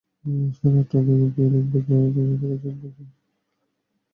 সাড়ে আটটার দিকে পোলিং বুথগুলোতে গিয়ে দেখা যায়, সবগুলো ব্যালটই বাক্সে ভরা হয়েছে।